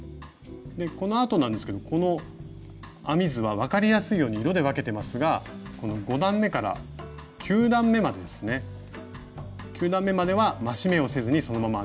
このあとなんですけどこの編み図は分かりやすいように色で分けてますが５段めから９段めまでは増し目をせずにそのまま編みます。